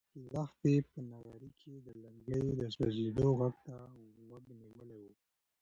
لښتې په نغري کې د لرګیو د سوزېدو غږ ته غوږ نیولی و.